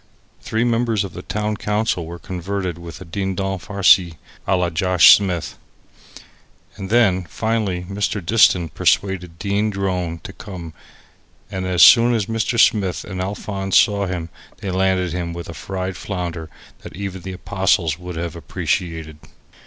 Three members of the town council were converted with a Dindon farci a la Josh Smith. And then, finally, Mr. Diston persuaded Dean Drone to come, and as soon as Mr. Smith and Alphonse saw him they landed him with a fried flounder that even the apostles would have appreciated.